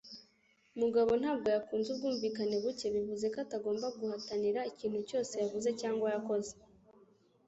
Mugabo ntabwo yakunze ubwumvikane buke, bivuze ko atagomba guhatanira ikintu cyose yavuze cyangwa yakoze.